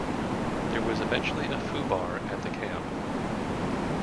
There was eventually a Foo Bar at the camp.